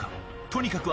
とにかく